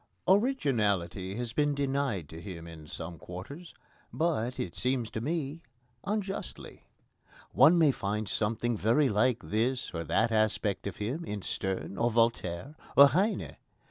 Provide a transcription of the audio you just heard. Originality has been denied to him in some quarters, but, it seems to me, unjustly. One may find something very like this or that aspect of him in Sterne, or Voltaire, or Heine.